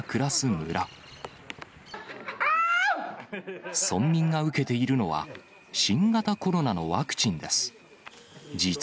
村民が受けているのは、新型コロナのワクチンです。